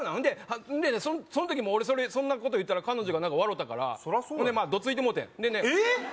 その時も俺そんなこと言うたら彼女が笑たからそらそうやろどついてもうてんえっ